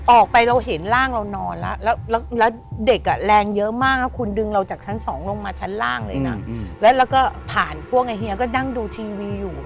ออกไปเราเห็นร่างเรานอนแล้ว